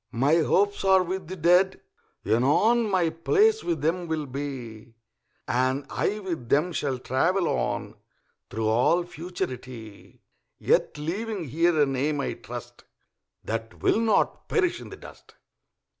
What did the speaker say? My hopes are with the Dead, anon My place with them will be, And I with them shall travel on Through all Futurity; Yet leaving here a name, I trust, That will not perish in the dust.